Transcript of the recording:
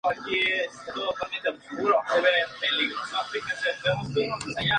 Su hábitat natural son montañas húmedas subtropicales o tropicales.